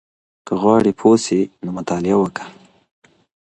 که غواړې پوه شې نو مطالعه وکړه.